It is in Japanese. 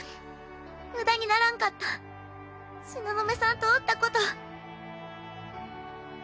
無駄にならんかった東雲さんとおったこと。